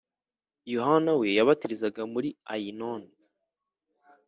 Yohana we yabatirizaga muri Ayinoni